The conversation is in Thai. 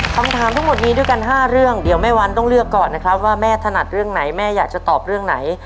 คำถามทั้งหมดมีด้วยกัน๕เรื่องเดี๋ยวแม่วันต้องเลือกก่อนนะครับว่าแม่ถนัดเรื่องไหนแม่อยากจะตอบเรื่องไหน